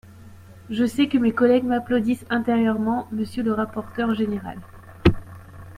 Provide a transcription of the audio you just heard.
Je sais que mes collègues m’applaudissent intérieurement, monsieur le rapporteur général